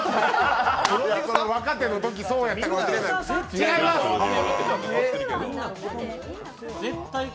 若手のときそうやったかもしれないけど。